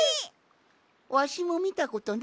わしもみたことないんじゃ。